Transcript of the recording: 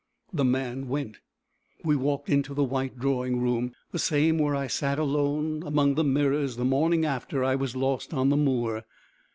The man went. We walked into the white drawing room, the same where I sat alone among the mirrors the morning after I was lost on the moor.